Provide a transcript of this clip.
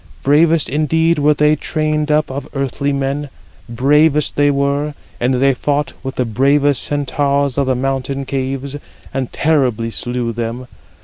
Bravest indeed were they trained up of earthly men; bravest they were, and they fought with the bravest Centaurs of the mountain caves, and terribly slew them.